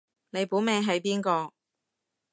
你本命係邊個